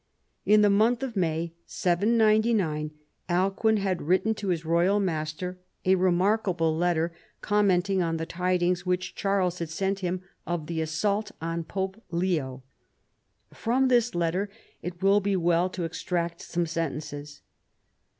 In the month of May (799) Alcuin had written to his royal master a remarkable letter, commenting on the tidings which Charles had sent him of the assault on Pope Leo. From this letter it will be well to extract some sentences.